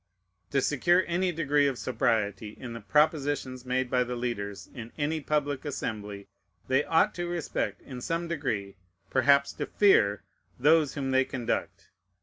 To secure any degree of sobriety in the propositions made by the leaders in any public assembly, they ought to respect, in some degree perhaps to fear, those whom they conduct.